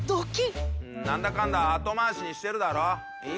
何だかんだ後回しにしてるだろ？